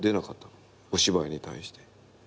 お芝居に対して。